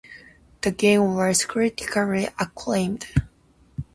The game was critically acclaimed.